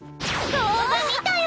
動画見たよ！